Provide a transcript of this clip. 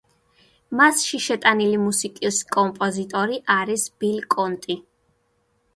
მასში შეტანილი მუსიკის კომპოზიტორი არის ბილ კონტი.